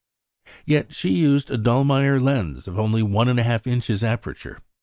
Yet she used a Dallmeyer lens of only one and a half inches aperture.